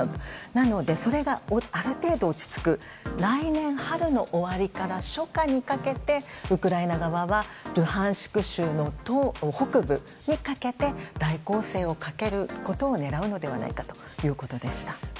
なので、それがある程度落ち着く来年春の終わりから初夏にかけてウクライナ側はルハンシク州と北部にかけて大攻勢をかけることを狙うのではないかということでした。